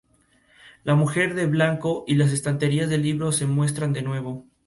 La mujer de blanco y las estanterías de libros se muestran de nuevo.